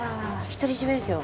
独り占めですよ。